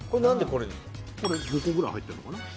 これ５個ぐらい入ってんのかな